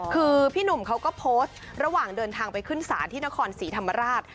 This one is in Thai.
คือพี่หนุ่มเขาก็โพสต์ระหว่างเดินทางไปขึ้นศาลที่นครศรีธรรมราช